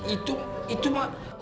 itu itu mak